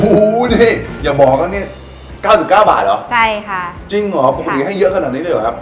อุ้ยอย่าบอกว่านี่๙๙บาทหรอใช่ค่ะจริงหรอปกติให้เยอะขนาดนี้ด้วยหรอครับ